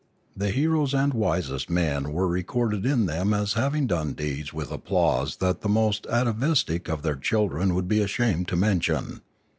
The heroes and wisest men were recorded in them as having done deeds with applause that the most atavistic of their children would be ashamed to mention.